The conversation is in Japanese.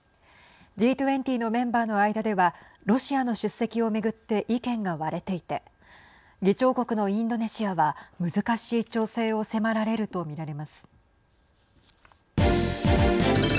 Ｇ２０のメンバーの間ではロシアの出席を巡って意見が割れていて議長国のインドネシアは難しい調整を迫られると見られます。